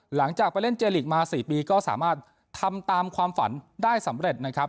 หลังจากไปเล่นเจลีกมา๔ปีก็สามารถทำตามความฝันได้สำเร็จนะครับ